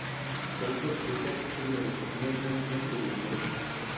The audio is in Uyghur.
يالغۇز ئۆتەر تۈنلىرىم، يانلىرىمدا گۈلۈم يوق.